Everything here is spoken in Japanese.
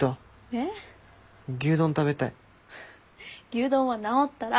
牛丼は治ったら。